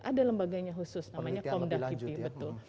ada lembaganya khusus namanya komda kipi betul